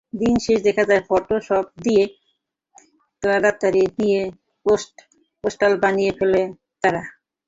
দিনশেষে দেখা যায়, ফটোশপ দিয়ে জোড়াতালি দিয়ে পোস্টার বানিয়ে ফেলে তারা!